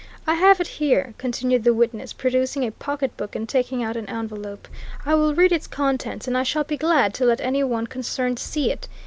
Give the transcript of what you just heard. I have it here," continued the witness, producing a pocketbook and taking out an envelope. "I will read its contents, and I shall be glad to let any one concerned see it.